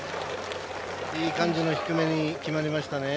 いい感じの低めに決まりましたね。